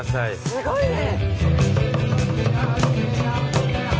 すごいね。